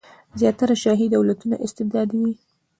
زیاتره شاهي دولتونه استبدادي وي.